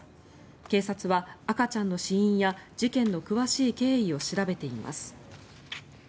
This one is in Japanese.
警察は赤ちゃんの死因や事件の詳しい経緯を調べています。